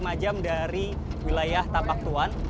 sekitar empat lima jam dari wilayah tapaktuan